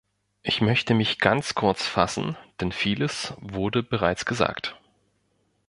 Ich möchte mich ganz kurz fassen, denn vieles wurde bereits gesagt.